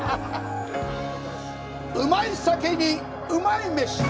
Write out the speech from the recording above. うまい酒にうまい飯！